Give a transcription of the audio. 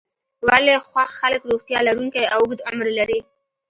ولې خوښ خلک روغتیا لرونکی او اوږد عمر لري.